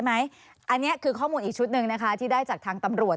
อันนี้คือข้อมูลอีกชุดหนึ่งนะคะที่ได้จากทางตำรวจ